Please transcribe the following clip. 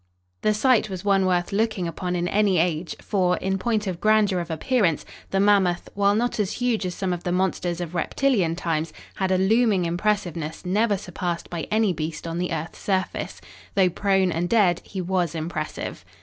The sight was one worth looking upon in any age, for, in point of grandeur of appearance, the mammoth, while not as huge as some of the monsters of reptilian times, had a looming impressiveness never surpassed by any beast on the earth's surface. Though prone and dead he was impressive.